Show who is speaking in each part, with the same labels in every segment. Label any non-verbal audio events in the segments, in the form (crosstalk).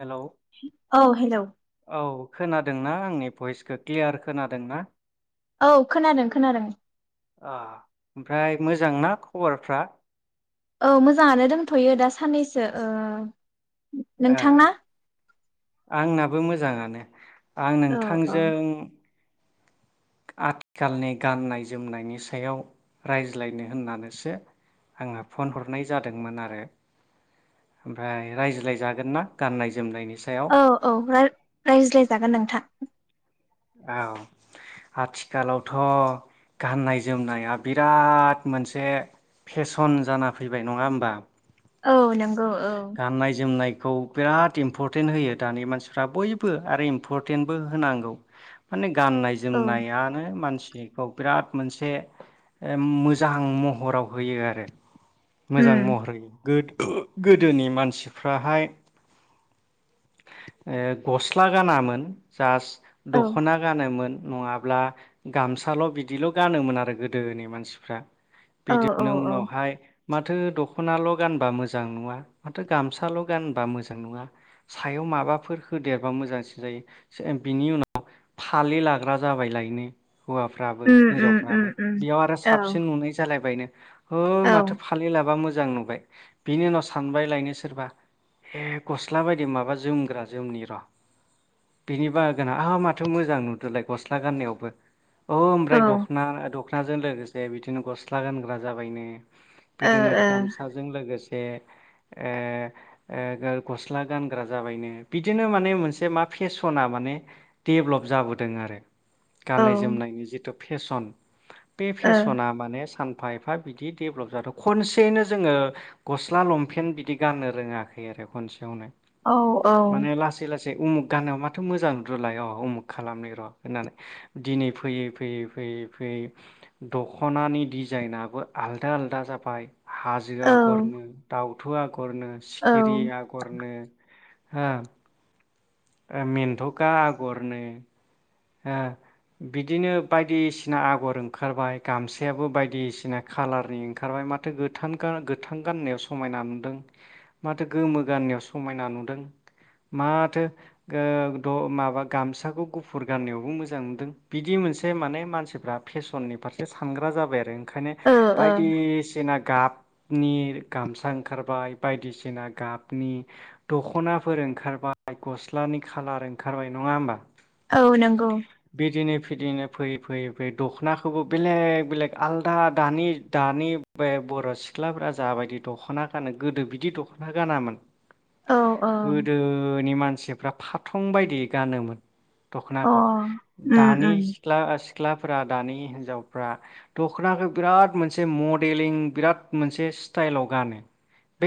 Speaker 1: Hello
Speaker 2: औ hello.
Speaker 1: औ खोनादोंना आंनि भइसखौ क्लियार खोनादों ना?
Speaker 2: औ खोनादों खोनादों।
Speaker 1: मोजां ना खबरफ्रा?
Speaker 2: औ मोजाङानो दोंथ'यो दा साननैसो ओ
Speaker 1: ए
Speaker 2: नोंथांना?
Speaker 1: आंना बो मोजाङानो। आं
Speaker 2: औ औ
Speaker 1: नोंथांजों आथिखालनि गाननाय जोमनायनि सायाव रायज्लायनो होननानैसो आङो फन हरनाय जादोंमोन आरो ओमफ्राय रायज्लायजागोन ना गाननाय जोमनायनि सायाव?
Speaker 2: औ औ रा-रायज्लायजागोन नोंथां।
Speaker 1: औ आथिखालावथ' गाननाय जोमनाया बिराद मोनसे फेसन जाना फैबाय नङा होमबा।
Speaker 2: औ नोंगौ।
Speaker 1: गाननाय जोमनाय खौ‌ बिराद इम्परटेन्ट होयो दानि मानसिफ्रा बयबो आरो इम्परटेन्टबो होनांगौ माने ग गाननाय
Speaker 2: उम
Speaker 1: जोमनायानो मानसि बिखौ बिराद मोनसे ओ मोजां महराव होयो आरो। मोजां महर होयो। गोद ओ। गोदोनि मानसिफ्राहाय ओ गस्ला गानामोन जास्ट
Speaker 2: औ
Speaker 1: दख'ना गानोमोन। नङाब्ला गामसाल' बिदिल' गानोमोन आरो गोदोनि मानसिफ्रा।
Speaker 2: औ औ
Speaker 1: बिदिनो उनावहाय माथो दख'नाल' गानबा मोजां नङा माथो गामसाल' गानबा मोजां नङा सायाव माबाफोर होदेरबा मोजांसिन जायो बिनि उनाव फालि लाग्रा जाबाय लायनो। हौवाफ्राबो
Speaker 2: उम उम उम
Speaker 1: हिनजावफ्राबो
Speaker 2: उम
Speaker 1: बेयाव आरो
Speaker 2: औ
Speaker 1: साबसिन नुनाय जालायबायनो। हो
Speaker 2: औ
Speaker 1: माथो फालि लाबा मोज जां नुबाय बिनि उनाव सानबाय लायनो सोरबा हे गसला बाय माबा जोमग्रा जोमनि र' बिनि बागोना आ माथो मोजां नुदोलाय गस्ला गाननायावबो । औ ओमफ्राय दखना दख (unintelligible) लोगोसे बिदिनो गस्ला गानग्रा जाबायनो । बिदिनो (unintelligible) गामसाजों लोगोस ए ए ए गो गसला गानग्रा जाबायनो बिदिनो माने मोनसे मा फेशना माने देभलप जाबोदों आरो। गाननाय
Speaker 2: ओ
Speaker 1: जोमनायनि जिथु फेसन । बे
Speaker 2: औ
Speaker 1: फेसना माने सान फा एफा बिदि डेभलप जाथ' खनसेनो जोङो गस्ला लंपेेन बिदि गाननो रोङाखै आरो खनसेयावनो।
Speaker 2: औ औ ।
Speaker 1: उमुग गाननायाव माथो मोजां (unintelligible) उमुग खालामनि र' होननानै दिनै फैयै फैयै फैयै फैयै दख'नानि डिजाइनाबो आलदा आलदा जाबाय। हाजो
Speaker 2: औ
Speaker 1: आगरनो दाउ (unintelligible) गरनो
Speaker 2: औ
Speaker 1: सिखिरि आगरनो हा । ओ मेन्थ'खा आगरनो ओ बिदिनो बायदिसिना आगर ओंखारबाय गामसायाबो बायदिसिना खालारनि ओंखारबाय माथो (unintelligible) गोथां गाननायाव समायना नुदों माथो गोमो गाननायाव समायना नुदों माथो (unintelligible) माबा गामसाखौ गुफु फुर गाननायावबो मोजां मोनदों बिदि मोनसे माने मानसिफ्रा फेसननि फारसे सानग्रा जाबाय आरो। खायनो
Speaker 2: ओ
Speaker 1: बायदिसिना गाबनि गामसा ओंखारबाय बायदिसिना गाबनि दख'नाफोर ओंखारबाय गस्लानि खालार ओंखारबाय नङा होमबा?
Speaker 2: औ नोंगौ।
Speaker 1: बिदिनो फैयै फैयै फैयै दखनाखौबो बेलेग बेलेग आलादा दानि दानि बे बर' सिख्लाफ्रा जाबायदि दख'ना गानो गोदो बिदि दखना गानामोन ।
Speaker 2: औ औ
Speaker 1: गोदोनि मानसिफ्रा फाथं बायदि गानोमोन ।
Speaker 2: अ
Speaker 1: दखनाखौ
Speaker 2: उम
Speaker 1: दानि
Speaker 2: उम
Speaker 1: सिख्ला सि (unintelligible) दानि हिनजावफ्रा दखनाखो बिराद मोनसे मडेलिं बिराद मोनसे स्टाइलाव गानो ।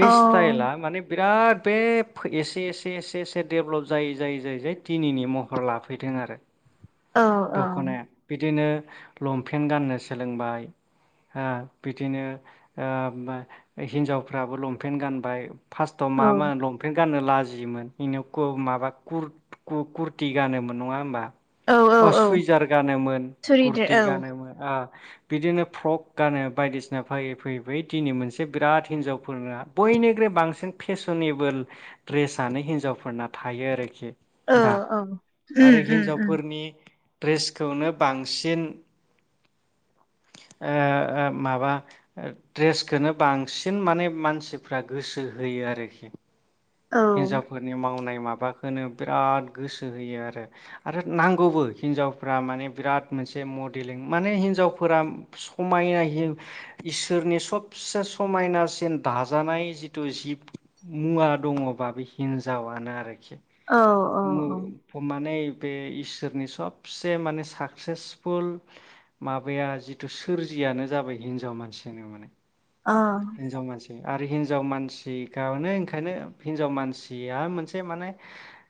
Speaker 2: औ
Speaker 1: स्ताइला माने बे बिराद बे फो एसे एसे एसे एसे डेभलप जायै जायै जायै जाय दिनैनि महर लाफै फैदों आरो ।
Speaker 2: औ
Speaker 1: दख'नाया
Speaker 2: औ
Speaker 1: बिदिनो लंफेन्ट गाननो सोलोंबाय ओ बिदिनो ओ (unintelligible) हिनजावफ्राबो लंपेन्ट गानबाय । फार्स्टआव मामोन लंपेन्ट गाननो लाजि (unintelligible) माबा कुर कुरति गानोमोन। नङा होमबा।
Speaker 2: औ
Speaker 1: अ
Speaker 2: औ
Speaker 1: सुइजार गानोमोन
Speaker 2: सुरिदेर
Speaker 1: कुरति
Speaker 2: औ
Speaker 1: गानोमोन बिदिनो फ्रक गानो बायदिसिना फैयै फैयै फैयै दिनै मोनसे बिराद हिनजावफोरना बयनिख्रुइ बांसिन फेशनेबोल ड्रेसनो हिनजावफोरना थायो आरोखि दा
Speaker 2: (unintelligible)
Speaker 1: आरो
Speaker 2: उम उम
Speaker 1: हिन्जावफोरनि ड्रेसखौनो बांसिन माबा ड्रेसखौनो बांसिन माने मानसिफ्रा गोसो होयो आरोखि
Speaker 2: औ
Speaker 1: हिनजावफोरनि मावनाय माबाखौनो बिराद गोसो होयो आरो आरो नांगौबो हिनजावफ्रा माने बिराद मोनसे मडेलिं माने हिनजावफोरा समायना इसोरनि सबसे समायनासिन दाजानाय जिथु जिब मुवा दङ। बे हिनजावनो आरो
Speaker 2: औ औ औ
Speaker 1: (unintelligible) बे इसोरनि सबसे माने साकसेसफुल माबाया जिथु सोरजियानो जाबाय हिनजाव मानसियानो माने
Speaker 2: औ
Speaker 1: हिनजाव मानसि आरो हिनजाव मानसिखौनो ओंखायनो हिनजाव मानसिया मोनसे माने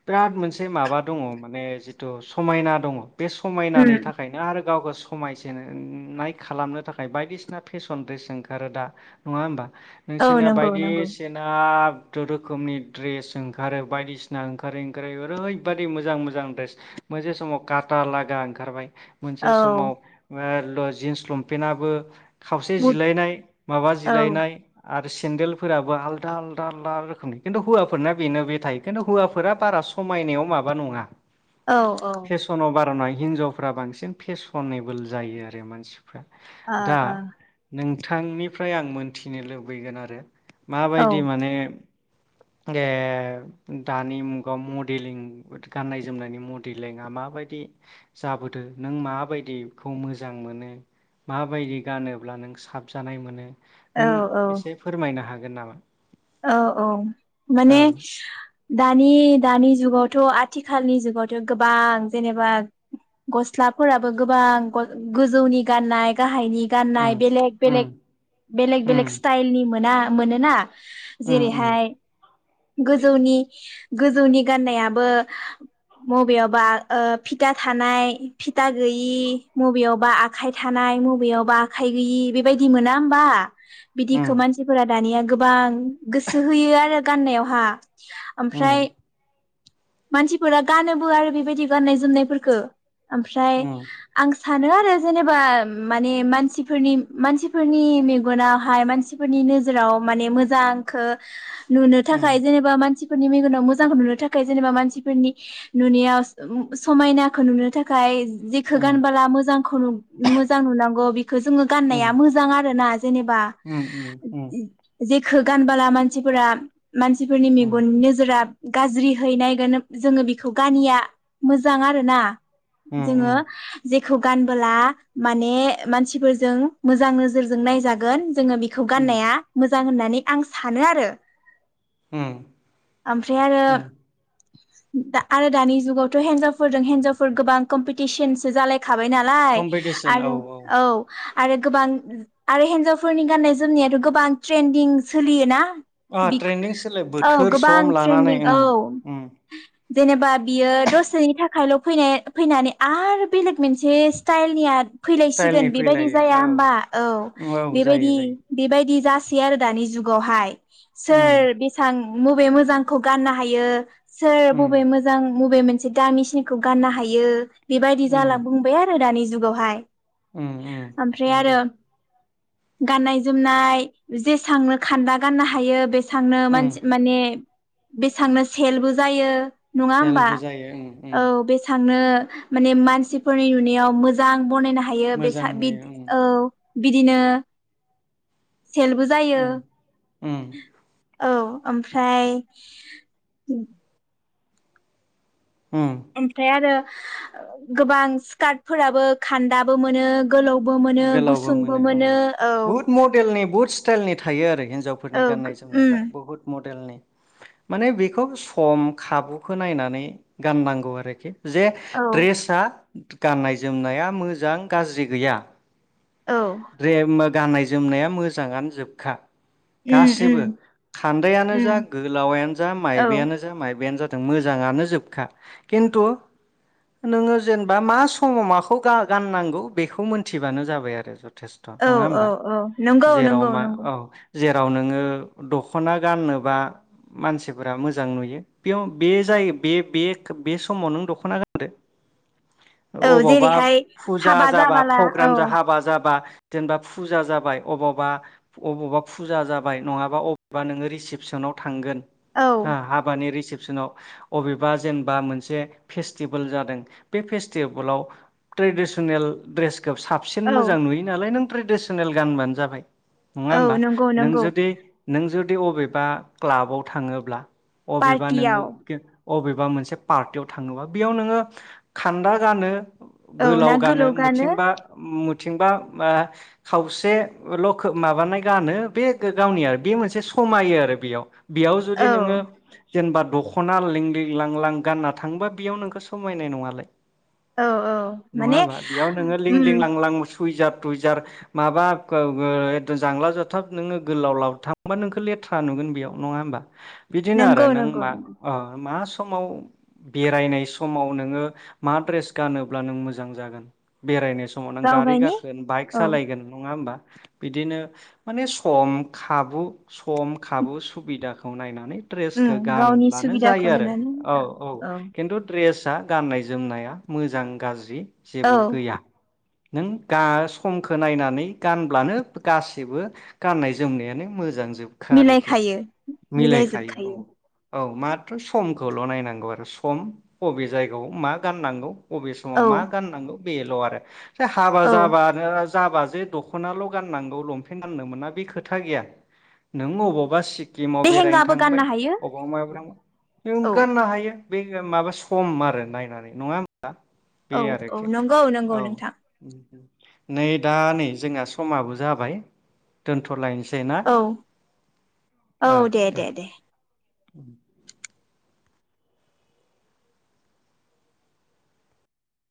Speaker 1: बिराद मोनसे माबा दङ माने जिथु समायना दङ। बे समायनानि
Speaker 2: उम
Speaker 1: थाखायनो आरो गावखौ समायसिननाय खालामनो थाखाय बायदिसिना फेसन ड्रेस ओंखारो दा नङा होमबा
Speaker 2: औ
Speaker 1: नोंसोरनो
Speaker 2: नंगौ नंगौ
Speaker 1: बायदिसिना (unintelligible) रोखोमनि ड्रेस ओंखारो बायदिसिना ओंखारो ओंखारो ओरैबायदि मोजां मोजां ड्रेस मोनसे समाव काटा लागा ओंखारबाय। मोनसे
Speaker 2: औ
Speaker 1: समाव जिन्स लंपेनआबो खावसे
Speaker 2: बुद
Speaker 1: जिलायनाय माबा-
Speaker 2: औ
Speaker 1: जिलायनाय आरो सेन्देलफोराबो आलदा आलदा आलदा रोखोमनि खिन्थु हौवाफोरना बेनो बे थायो खिन्थु हौवाफोरा बारा समायनायाव माबा नङा।
Speaker 2: औ औ
Speaker 1: फेसनाव बार न हिनजावफ्रा बांसिन फेसनेबोल जायो आरो मानसि दा नों- थांनि- मफ्राय आं मोन्थिनो लुबैगोन आरो
Speaker 2: ओ
Speaker 1: माबायदि माने (unintelligible) दानि मुगायाव मडेलिं गाननाय जोमनायनि मडेलिंआ माबायदि जाबोदो नों माबायदिखौ मोजां मोनो माबायदि गानोब्ला नों साबजानाय मोनो
Speaker 2: औ
Speaker 1: नों
Speaker 2: औ
Speaker 1: एसे फोरमायनो हा गोन नामा
Speaker 2: औ औ
Speaker 1: औ
Speaker 2: माने दानि दानि जुगावथ' आथिखालनि जुगावथ' गोबां जेनेबा गस्लाफोराबो गोबां ग गोजौनि गाननाय गाहायनि गाननाय
Speaker 1: उम
Speaker 2: बेलेग
Speaker 1: उम
Speaker 2: बेलेक बेलेक
Speaker 1: उम
Speaker 2: बेलेग स्टाइल नि मोना। मोनोना
Speaker 1: उम
Speaker 2: जेरैहाय गोजौनि गोजौनि गाननायाबो मबेयावबा ओ फिथा थानाय फिथा गैयि बबेयावबा आखाइ थानाय मबेयावबा आखाइ गैयि बेबायदि मोना ओमबा?
Speaker 1: उम
Speaker 2: बिदिखो मानसिफोरा दानिया गोबां गोसो होयो आरो गाननायावहा ओमफ्राय
Speaker 1: उम
Speaker 2: मानसिफोरा गानोबो आरो बेबायदि गाननाय जोमनायफोरखो ओमफ्राय
Speaker 1: उम
Speaker 2: आं सानो आरो जेनेबा माने मानसिफोरनि मानसिफोरनि मेगनावहाय मानसिफोरनि नोजोराव माने मोजांखो नुनो
Speaker 1: उम
Speaker 2: थाखाय जेनेबा मानसि फोरनि मेगनाव मोजांखौ नुनो थाखाय जेनेबा मानसिफोरनि नुनायाव समायनाखौ नुनो थाखाय जेखो
Speaker 1: उम
Speaker 2: गानबोला मोजांखौ नु मोजां नुनांगौ बि खो जोङो
Speaker 1: उम
Speaker 2: गाननाया मोजां आरो ना जेनेबा
Speaker 1: उम उम उम
Speaker 2: खो गानबोला मानसिफोरा मानसिफोरनि मेगननि नोजोराब गाज्रि हैनायगोन जोङो बेखौ गानिया मोजां आरो ना। जोङो
Speaker 1: उम
Speaker 2: जेक खौ गानबोला माने मानसिफोरजों मोजां नोजोरजों नायजागोन जोङो बेखौ
Speaker 1: उम
Speaker 2: गाननाया मोजां होननानै आं सानो आरो
Speaker 1: उम
Speaker 2: ओमफ्राय आरो
Speaker 1: उम
Speaker 2: दा आरो दानि जुगावथ' हिनजावफोरजों हिनजावफोर गोबां कम्पिटिसनसो जालाय खाबाय नालाय आरो औ आरो गोबां आरो हिन्जावफोरनि गाननाय जोमनायाथ' गोबां ट्रेन्दिं सोलियोना?
Speaker 1: ओ
Speaker 2: बि
Speaker 1: ट्रेन्दिं सोलो
Speaker 2: औ
Speaker 1: बोथोर
Speaker 2: गोबां
Speaker 1: सम लानानै
Speaker 2: ट्रेन्दिं
Speaker 1: ओं
Speaker 2: औ
Speaker 1: उम
Speaker 2: जेनेबा बियो दसेनि थाखायल' फैनाय फैनानै आरो बेलेग मोनसे स्टाइलनिया
Speaker 1: स्टाइलनि
Speaker 2: फैलायसिगोन बेबायदि
Speaker 1: फैलायो
Speaker 2: जाया होमबा औ
Speaker 1: औ जायो
Speaker 2: बेबायदि
Speaker 1: जायो
Speaker 2: बेबायदि जा यो आरो दानि जुगावहाय।
Speaker 1: उम
Speaker 2: सोर बेसां मबे मोजांखौ गाननो हायो सोर
Speaker 1: उम
Speaker 2: बबे मोजां मबे मोनसे दामिसिनिखौ गाननो हायो बेबायदि
Speaker 1: उम
Speaker 2: जाला बुंबाय आरो दानि जुगावहाय
Speaker 1: उम उम
Speaker 2: ओमफ्राय आरो
Speaker 1: नंगौ
Speaker 2: गाननाय जोमनाय जेसांनो खान्दा गाननो हायो बे थांनो
Speaker 1: उम
Speaker 2: मानसि माने बेसां नो सेलबो जायो नंङा होमबा?
Speaker 1: हेल्पबो जायो उम उम
Speaker 2: औ बेसांनो ओ माने मानसिफोरनि नुनायाव मोजां बनायनो हायो बेसा
Speaker 1: मोजां
Speaker 2: बिद
Speaker 1: नुयो उम
Speaker 2: औ बिदिनो सेलबो जायो।
Speaker 1: उम उम
Speaker 2: औ ओमफ्राय
Speaker 1: उम
Speaker 2: ओमफ्राय आरो गोबां स्कार्टफोराबो खान्दाबो मोनो। गोलावबो मोनो गुसुंबो मोनो औ
Speaker 1: टाइलनि थायो आरो।
Speaker 2: औ
Speaker 1: हिन्जावफोरनि गाननाय जोमनायफ्रा
Speaker 2: उम
Speaker 1: बुहुत मद देलनि माने बेखौ सम खाबुखौ नायनानै गाननांगौ आरोखि जे
Speaker 2: औ
Speaker 1: ड्रेसआ गाननाय जोमनाया मोजां गाज्रि गैया।
Speaker 2: औ
Speaker 1: रे मोग गाननाय जोमनाया मोजांङानो जोबखा।
Speaker 2: उम उम
Speaker 1: गासिबो खान्दायानो
Speaker 2: उम
Speaker 1: जा गोलावायानो जा
Speaker 2: औ
Speaker 1: मायबायानो जा मायबायानो जा दों मोजांङानो जोबखा खिन्थु नोंङो जेनेबा मा समाव माखौ गा-गाननांगौ बेखौ मोनथिबानो जाबाय आरो ज थेस्थ'
Speaker 2: औ
Speaker 1: नंङा
Speaker 2: औ
Speaker 1: होमबा?
Speaker 2: औ नंगौ
Speaker 1: जेराव
Speaker 2: नंगौ
Speaker 1: मा
Speaker 2: नंगौ
Speaker 1: अ जेराव नोंङो दख'ना गाननोबा मानसिफोरा मोजां नुयो बेयाव बे जाय बे-बे खो बे समाव नों दख'ना
Speaker 2: औ
Speaker 1: गानदो अबाव बा
Speaker 2: जेरैहाय
Speaker 1: फुजा
Speaker 2: हाबा
Speaker 1: जाबा
Speaker 2: जाबाला औ
Speaker 1: प्रग्राम हाबा जाबा जेनेबा फुजा जाबाय अबावबा अबावबा फुजा जाबाय नंङाबा अबावबा नोंङो रिसिपसनाव थांगोन
Speaker 2: औ
Speaker 1: हा हाबानि रिसिब अबेबा जेनेबा मोनसे फेसटिभेल जादों बे फेटिभेलाव ट्रिडिसनेल ड्रेस साबसिन
Speaker 2: औ
Speaker 1: मोजां नुयो। है नों ट्रेडिसनेल गानबानो जाबाय। नङा
Speaker 2: औ
Speaker 1: होमबा
Speaker 2: नंगौ
Speaker 1: नों
Speaker 2: नंगौ
Speaker 1: जुदि नों जुदि अबेबा क्लाबाव थाङोब्ला अबेबा नोङो
Speaker 2: पार्टियाव
Speaker 1: अबेबा मोनसे पार्टियाव थाङोबा, बेयाव नोङो खान्दा गानो गोलाव गानो मुथिंबा मुं थिंबा बा खावसेल' खोब माबानाय गानो बे गावनि आरो बे मोनसे समायो आरो बेयाव। बेयाव जुदि
Speaker 2: औ
Speaker 1: नोङो जेनबाद दख'ना लिं लिं लां लां गानना थाङोबा बेयाव नोंखौ समायनाय नङालाय।
Speaker 2: औ औ माने।
Speaker 1: सुइजाब सुइजार माबा ओ जांला जाथाब नोङो गोलाव लाव थाबबा नोंखौ लेथ्रा नुगोन बेयाव नङा होमबा। बिदिनो
Speaker 2: नंगौ
Speaker 1: आरो नों
Speaker 2: नंगौ नंगौ
Speaker 1: समाव समाव नों
Speaker 2: गाव
Speaker 1: गारि
Speaker 2: गायनि
Speaker 1: गाख (unintelligible) बाइक।
Speaker 2: औ
Speaker 1: बिदिनो माने सम खाबु सम खाबु सुबिदा खौ नायनानै । ड्रेसखौ
Speaker 2: उम गावनि
Speaker 1: गानब्लानो
Speaker 2: सुबिदाखौ
Speaker 1: जायो आरो
Speaker 2: नायनानै
Speaker 1: औ औ किन्थु फ्रेस दा गाननाय जोमनाया मोजां गाज्रि
Speaker 2: औ
Speaker 1: जेबो गैया। नों गा समखो नायनानै गानब्लानो गासैबो गाननाय जोमनायानो मोजां जोबखा आरोखि
Speaker 2: मिलायखायो
Speaker 1: मिलायखायो औ
Speaker 2: मिलायजोबखायो।
Speaker 1: औ माथ्र समखौल' नायनांगौ आरो, सम बबे जायगायाव मा गाननांगौ बबे समाव
Speaker 2: औ
Speaker 1: मा गाननांगौ बेल' आरो देह
Speaker 2: औ
Speaker 1: जाबानो जाबा जे दख'नाल' गाननांगौ लंपेन्ट गाननो मोना बे खोथा गैया नों अबावबा सि गेमाव बेरायनो
Speaker 2: लेहेंगाबो
Speaker 1: थांबाय
Speaker 2: गाननो हायो
Speaker 1: अबावबा मायावबा थांबाय बेयाव
Speaker 2: औ
Speaker 1: गाननो हायो। बे माबा सम आरो नायनानै नङा दा बे
Speaker 2: औ औ
Speaker 1: आरोखि
Speaker 2: नंगौ नंगौ
Speaker 1: औ
Speaker 2: नोंथां
Speaker 1: उम। नै दा नै जोंहा समाबो जाबाय दोनथ'लायनो
Speaker 2: औ औ दे दे दे।
Speaker 1: (inaudible)